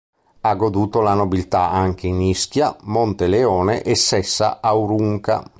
Ha goduto la nobiltà anche in Ischia, Monteleone e Sessa Aurunca.